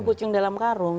kucing dalam karung